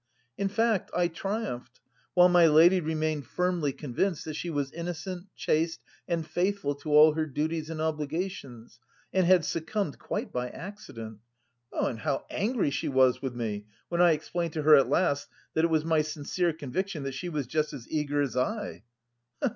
In fact, I triumphed, while my lady remained firmly convinced that she was innocent, chaste, and faithful to all her duties and obligations and had succumbed quite by accident. And how angry she was with me when I explained to her at last that it was my sincere conviction that she was just as eager as I.